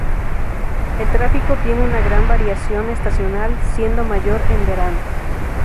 El tráfico tiene una gran variación estacional, siendo mayor en verano.